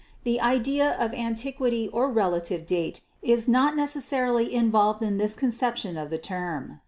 The idea of antiquity or relative date is not necessarily involved in this cc iception of the term.